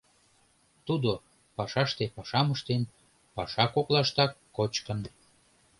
Тудо пашаште пашам ыштен, паша коклаштак кочкын.